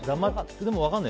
でも分からないよ